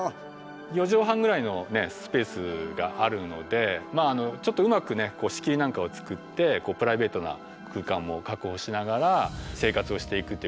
４畳半ぐらいのスペースがあるのでちょっとうまく仕切りなんかを作ってプライベートな空間も確保しながら生活をしていくっていうことで。